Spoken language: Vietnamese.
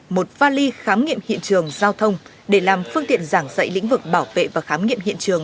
một vali khám nghiệm hiện trường giao thông để làm phương tiện giảng dạy lĩnh vực bảo vệ và khám nghiệm hiện trường